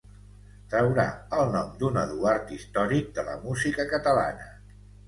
Traurà el nom d'un Eduard històric de la música catalana.